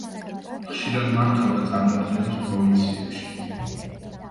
ხშირად მართავდა წარმოდგენებს პროვინციებში.